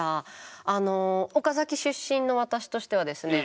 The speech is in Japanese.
あの岡崎出身の私としてはですね